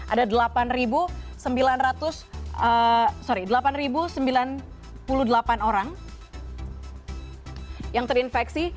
ada delapan sembilan ratus sorry delapan sembilan puluh delapan orang yang terinfeksi